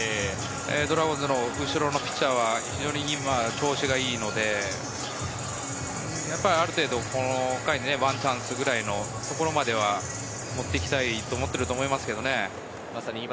ドラゴンズの後ろのピッチャーは調子がいいので、ある程度この回、ワンチャンスぐらいのところまでは持っていきたいと思っていると思います。